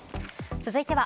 続いては。